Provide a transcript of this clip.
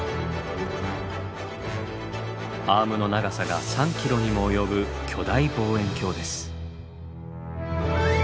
アームの長さが３ｋｍにも及ぶ巨大望遠鏡です。